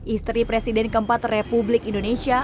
istri presiden keempat republik indonesia